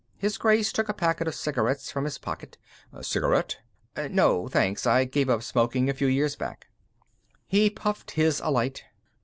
His Grace took a pack of cigarettes from his pocket. "Cigarette?" "No, thanks. I gave up smoking a few years back." He puffed his alight.